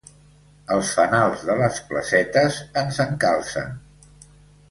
Els fanals de les placetes ens encalcen.